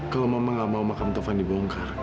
kalau mama gak mau makan tante fandi bohongkan